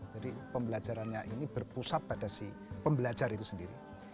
jadi pembelajarannya ini berpusat pada si pembelajar itu sendiri